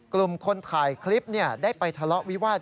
กลุ่มคนถ่ายคลิปได้ไปทะเลาะวิวาส